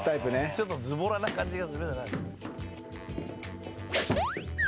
ちょっとズボラな感じがする。